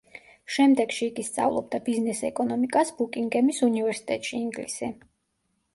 შემდეგში იგი სწავლობდა ბიზნეს ეკონომიკას ბუკინგემის უნივერსიტეტში, ინგლისი.